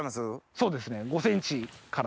そうですね。